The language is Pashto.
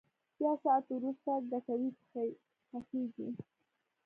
یو ساعت ورست کټوۍ پخېږي.